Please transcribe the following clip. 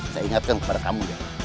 saya ingatkan kepada kamu